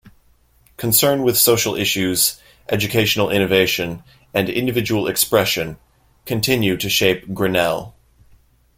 Concern with social issues, educational innovation, and individual expression continue to shape Grinnell.